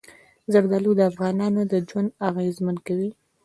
زردالو د افغانانو ژوند اغېزمن کوي.